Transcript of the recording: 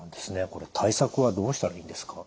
これ対策はどうしたらいいんですか？